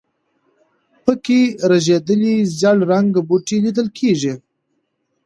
په کې رژېدلي زېړ رنګه بوټي لیدل کېږي.